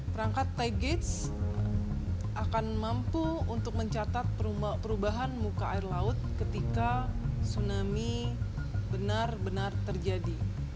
perangkat ty gates akan mampu untuk mencatat perubahan muka air laut ketika tsunami benar benar terjadi